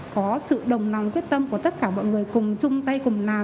có sự đồng lòng quyết tâm của tất cả mọi người cùng chung tay cùng làm